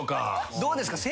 どうですか？